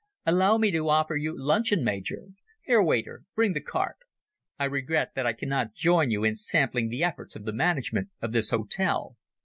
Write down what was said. "Allow me to offer you luncheon, Major. Here, waiter, bring the carte. I regret that I cannot join you in sampling the efforts of the management of this hotel.